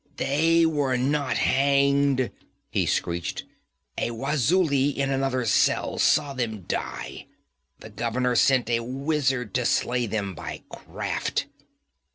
'They were not hanged!' he screeched. 'A Wazuli in another cell saw them die! The governor sent a wizard to slay them by craft!'